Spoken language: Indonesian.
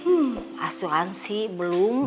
hmm asuransi belum